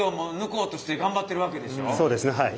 でもそうですねはい。